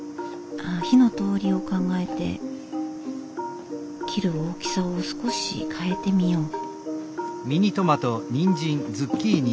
ああ火の通りを考えて切る大きさを少し変えてみよう。